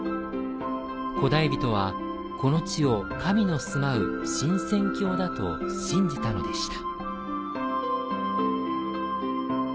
古代人は、この地を神の住まう神仙境だと信じたのでした。